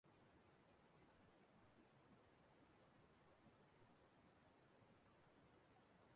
ya na etu ọnụahịa nri na ihe ndị ọzọ siri dịzie oke elu ugbua